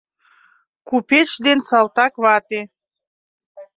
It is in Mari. КУПЕЧ ДЕН САЛТАКВАТЕ